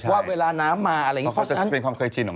ว่าเวลาน้ำมาอะไรอย่างนี้เป็นความเคยชินของ